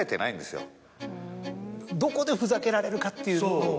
どこでふざけられるかっていうのを？